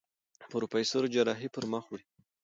پروفېسر جراحي پر مخ وړي.